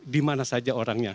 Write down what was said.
di mana saja orangnya